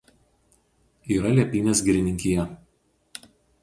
Yra Liepynės girininkija.